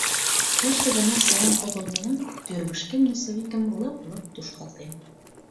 Кажне гана сырам подылмылан тӱрвышкем носовикым лып-лып тушкалтем.